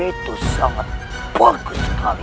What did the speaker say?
itu sangat bagus sekali